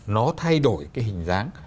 nó thay đổi cái hình dáng